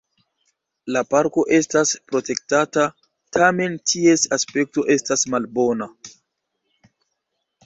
La parko estas protektata, tamen ties aspekto estas malbona.